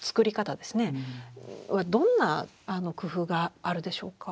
どんな工夫があるでしょうか？